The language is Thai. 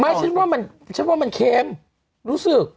ไม่ฉันว่ามันเค็มรู้สึก